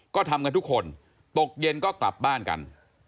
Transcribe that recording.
ก็ทำกันทุกคนตกเย็นก็กลับบ้านกัน